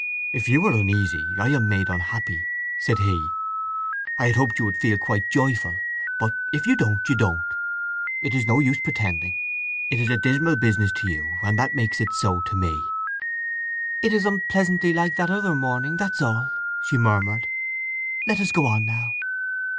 "If you are uneasy I am made unhappy," said he. "I had hoped you would feel quite joyful. But if you don't, you don't. It is no use pretending. It is a dismal business to you, and that makes it so to me!" "It is unpleasantly like that other morning—that's all," she murmured. "Let us go on now."